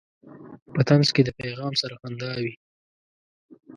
په طنز کې له پیغام سره خندا وي.